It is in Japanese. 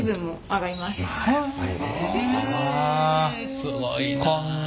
すごいな。